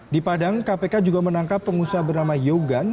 di padang kpk juga menangkap pengusaha bernama yogan